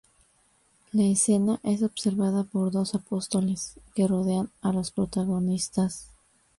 La escena es observada por dos apóstoles que rodean a los protagonistas.